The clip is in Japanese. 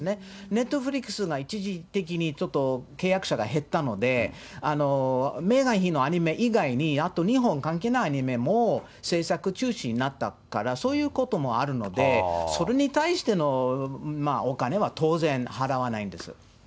ネットフリックスが一時的にちょっと契約者が減ったので、メーガン妃のアニメ以外に、あと２本関係ないアニメも制作中止になったから、そういうこともあるので、それに対してのお金は当然、払わないんです。